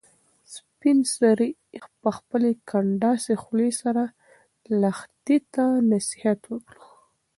سپین سرې په خپلې کنډاسې خولې سره لښتې ته نصیحت وکړ.